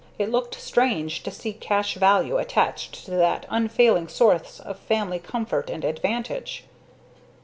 It looked strange to see cash value attached to that unfailing source of family comfort and advantage.